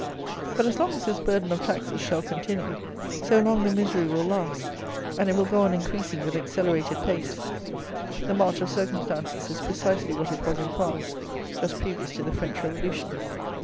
But as long as this burden of taxes shall continue, so long the misery will last, and it will go on increasing with accelerated pace. The march of circumstances is precisely what it was in France, just previous to the French revolution.